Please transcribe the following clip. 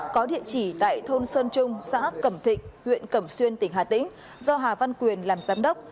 có địa chỉ tại thôn sơn trung xã cẩm thịnh huyện cẩm xuyên tỉnh hà tĩnh do hà văn quyền làm giám đốc